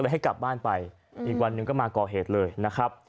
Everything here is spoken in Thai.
ให้กลับบ้านไปอีกวันหนึ่งก็มาก่อเหตุเลยนะครับ